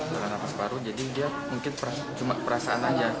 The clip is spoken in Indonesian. saluran nafas paru jadi dia mungkin cuma perasaan aja